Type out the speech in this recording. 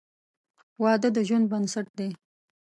• واده د ژوند بنسټ دی.